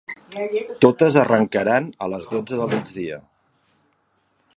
Totes arrencaran a les dotze del migdia.